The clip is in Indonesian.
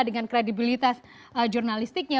dengan kredibilitas jurnalistiknya